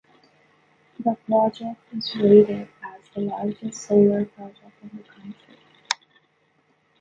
The project is rated as the largest solar project in the country.